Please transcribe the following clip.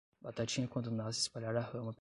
Batatinha quando nasce espalhar a rama pelo chao